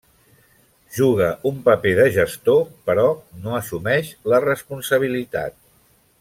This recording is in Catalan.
Juga un paper de gestor però no assumeix la responsabilitat.